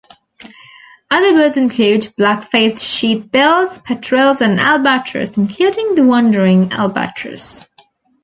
Other birds include black-faced sheathbills, petrels, and albatross, including the wandering albatross.